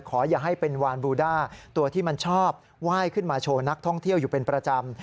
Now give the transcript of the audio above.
อย่าให้เป็นวานบูด้าตัวที่มันชอบไหว้ขึ้นมาโชว์นักท่องเที่ยวอยู่เป็นประจำ